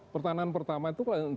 pertahanan pertama itu